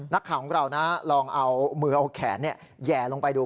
นักข่าวของเรานะลองเอามือเอาแขนแหย่ลงไปดู